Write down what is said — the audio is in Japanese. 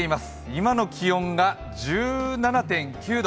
今の気温が１７．９度。